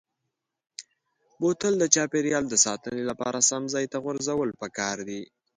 بوتل د چاپیریال د ساتنې لپاره سم ځای ته غورځول پکار دي.